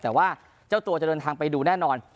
แต่ว่าเจ้าตัวจะเดินทางไปดูแน่นอน